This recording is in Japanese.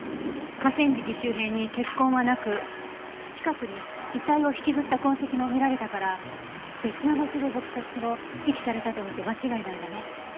河川敷周辺に血痕はなく近くに遺体を引きずった痕跡も見られたから別の場所で撲殺後遺棄されたと見て間違いないわね。